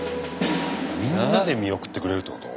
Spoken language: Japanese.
みんなで見送ってくれるってこと？